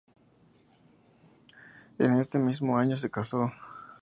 En ese mismo año se casó.